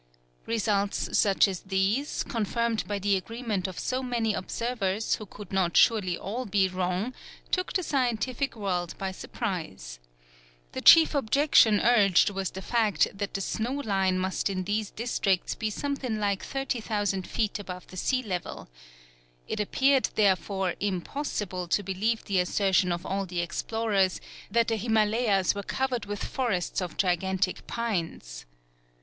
Results such as these, confirmed by the agreement of so many observers, who could not surely all be wrong, took the scientific world by surprise. The chief objection urged was the fact that the snow line must in these districts be something like 30,000 feet above the sea level. It appeared, therefore, impossible to believe the assertion of all the explorers, that the Himalayas were covered with forests of gigantic pines.